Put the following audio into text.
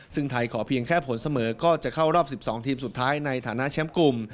ซึ่งไทยขอเพียงแค่ผลเสมอก็จะเข้ารอบ๑๒ทีมสุดท้ายในฐานะแชมป์กลุ่ม